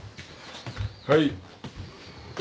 はい。